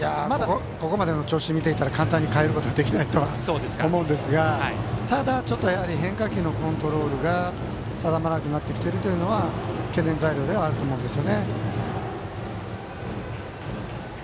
ここまでの調子を見てたら簡単に代えることはできないと思うんですがただ変化球のコントロールが定まらなくなってきているのは懸念材料ではあると思いますね。